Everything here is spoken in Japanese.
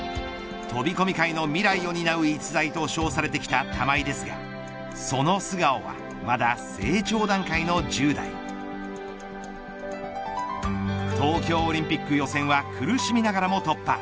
飛込界の未来を担う逸材として称されてきた玉井ですがその素顔はまだ成長段階の１０代東京オリンピックの予選は苦しみながらも突破。